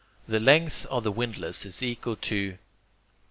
The length of the windlass is equal to...